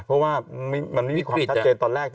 เพราะว่ามันไม่มีความชัดเจนตอนแรก